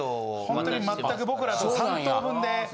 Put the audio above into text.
ホントに全く僕らと３等分で。